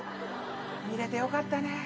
見れてよかったね。